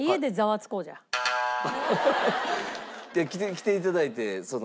来ていただいてその。